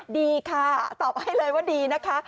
ดีค่ะตอบให้เลยว่าดีนะคะ